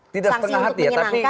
tidak setengah hati ya tapi